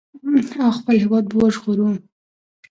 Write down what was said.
او خپل هېواد به وژغورو.